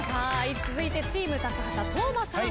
続いてチーム高畑當間さん。